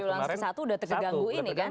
di triulang ke satu sudah terganggu ini kan